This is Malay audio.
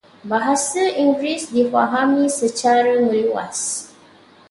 Bahasa Inggeris difahami secara meluas.